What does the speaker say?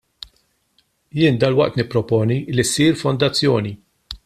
Jien dalwaqt nipproponi li issir fondazzjoni.